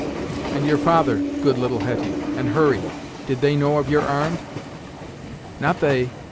"And your father, good little Hetty and Hurry; did they know of your arr'nd?" "Not they.